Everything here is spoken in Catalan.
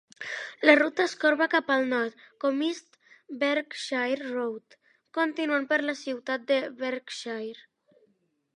La ruta es corba cap al nord com East Berkshire Road, continuant per la ciutat de Berkshire.